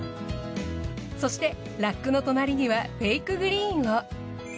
そしてラックの隣にはフェイクグリーンを。